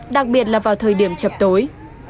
đặc biệt là vào thời điểm chập tối